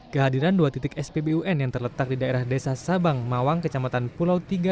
kehadiran dua titik spbun yang terletak di daerah desa sabang mawang kecamatan pulau tiga